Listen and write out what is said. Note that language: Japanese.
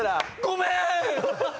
ごめーん！